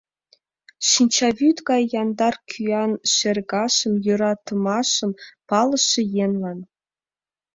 Шинчавӱд гай яндар кӱан шергашым — Йӧратымашым палыше еҥлан.